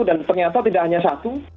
dan ternyata tidak hanya satu